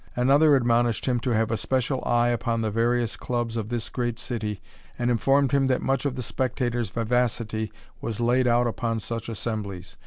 Another admonished him to have a special eye upon the various clubs of this great city, and informed him that much of the spectator's vivacity was laid out upon such assemblies.